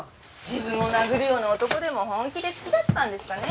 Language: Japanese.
自分を殴るような男でも本気で好きだったんですかね？